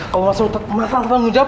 kalau mas ruta masalah tanggung jawab